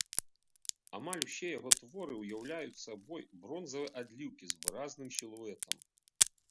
Амаль усё яго творы ўяўляюць сабой бронзавыя адліўкі з выразным сілуэтам.